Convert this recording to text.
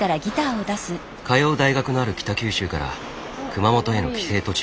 通う大学のある北九州から熊本への帰省途中。